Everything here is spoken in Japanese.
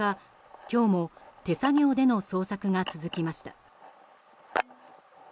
今日も手作業での捜索が続きました。